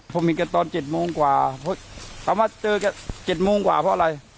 ผมมีกันตอน๗โมงกว่าเพราะว่าเจอกัน๗โมงกว่าเพราะอะไร